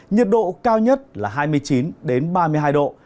nhiệt độ cao nhất là hai mươi chín ba mươi hai độ